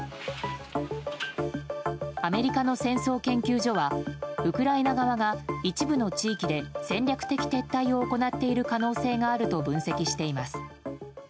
アメリカの戦争研究所はウクライナ側が一部の地域で戦略的撤退を行っている可能性があると分析しています。